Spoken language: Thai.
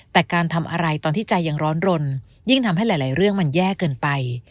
แต่การทำอะไรตอนที่ใจยังร้อนรนยิ่งทำให้หลายเรื่องมันแย่เกินไป